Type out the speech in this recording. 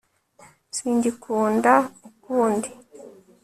singikunda ukundi